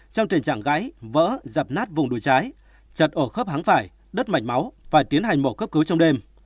trong tình trạng gãy vỡ dập nát vùng đùi trái chật ổ khớp hắng phải đất mạch máu và tiến hành mổ cấp cứu trong đêm